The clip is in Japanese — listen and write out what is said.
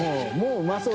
うまそう。